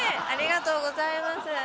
ありがとうございます。